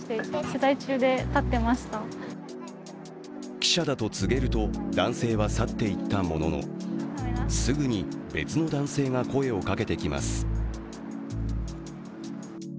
記者だと告げると、男性は去っていったもののすぐに別の男性が声をかけてきます。